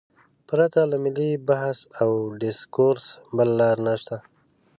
پرته له ملي بحث او ډیسکورس بله لار نشته.